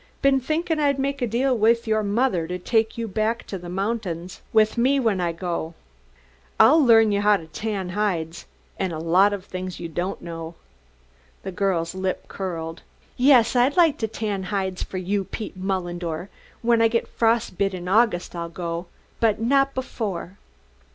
Been thinkin' I'd make a deal with your mother to take you back to the mountings with me when I go. I'll learn you how to tan hides, and a lot of things you don't know." The girl's lip curled. "Yes, I'd like to tan hides for you, Pete Mullendore! When I get frost bit in August I'll go, but not before."